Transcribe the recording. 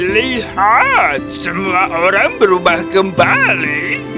lihat semua orang berubah kembali